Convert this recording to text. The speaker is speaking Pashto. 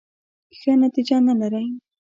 ښه نتیجه نه لري .